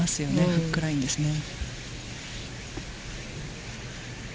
フックラインですね。